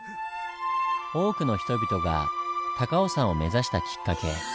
多くの人々が高尾山を目指したきっかけ